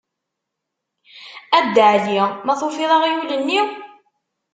A Dda Ɛli! ma tufiḍ aɣyul-nni?